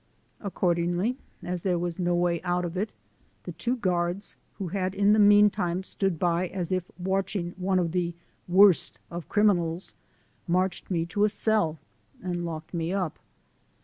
Accordingly, as there was no way out of it, the two guards, who had in the meantime stood by as if watching one of the worst of criminals, marched me to a cell and locked me up.